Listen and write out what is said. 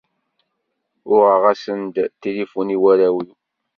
Uɣeɣ-asen-d tilifun i warraw-iw.